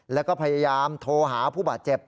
แล้วก็พยายามโทรหาผู้บาดเจ็บ